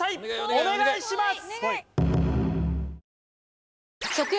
お願いします